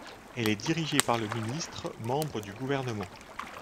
Elle est dirigée par le ministre, membre du gouvernement.